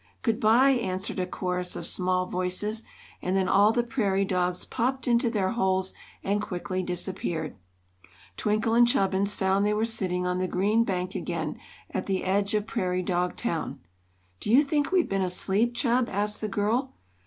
"Good bye!" answered a chorus of small voices, and then all the prairie dogs popped into their holes and quickly disappeared. Twinkle and Chubbins found they were sitting on the green bank again, at the edge of Prairie Dog Town. "Do you think we've been asleep, Chub?" asked the girl.